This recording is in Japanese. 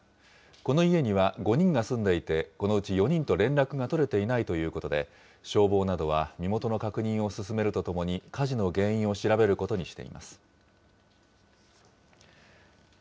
この家には、５人が住んでいて、このうち４人と連絡が取れていないということで、消防などは身元の確認を進めるとともに、火事の原因を調べることにしています。